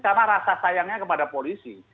karena rasa sayangnya kepada polisi